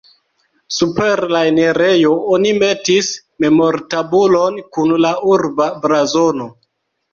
Super la enirejo oni metis memortabulon kun la urba blazono.